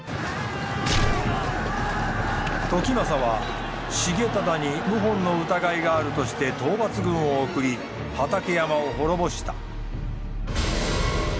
時政は重忠に謀反の疑いがあるとして討伐軍を送り畠山を滅ぼした。